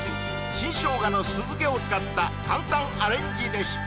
新生姜の酢漬けを使った簡単アレンジレシピ！